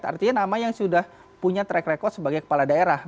artinya nama yang sudah punya track record sebagai kepala daerah